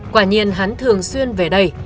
quả nhiên hắn thường xuyên về đây